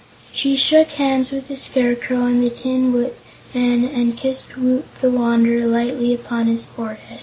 She shook hands with the Scarecrow and the Tin Men and kissed Woot the Wanderer lightly upon his forehead.